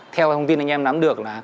theo thông tin anh em nắm được